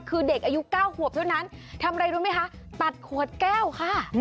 คือเด็กอายุ๙ขวบเท่านั้นทำอะไรรู้ไหมคะตัดขวดแก้วค่ะ